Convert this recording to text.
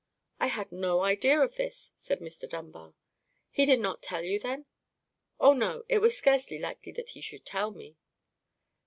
"I had no idea of this," said Mr. Dunbar. "He did not tell you, then?" "Oh, no; it was scarcely likely that he should tell me."